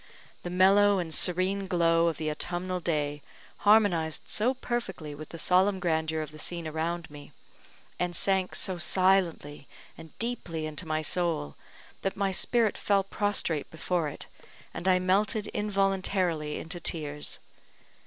The mellow and serene glow of the autumnal day harmonised so perfectly with the solemn grandeur of the scene around me, and sank so silently and deeply into my soul, that my spirit fell prostrate before it, and I melted involuntarily into tears.